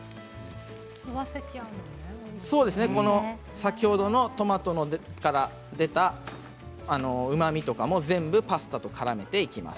先ほどトマトから出たうまみとかも全部パスタとからめていきます。